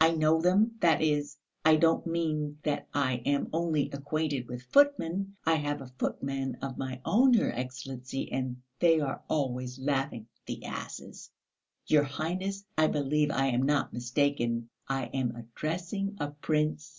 I know them ... that is, I don't mean that I am only acquainted with footmen, I have a footman of my own, your Excellency, and they are always laughing ... the asses! Your Highness ... I believe I am not mistaken, I am addressing a prince...."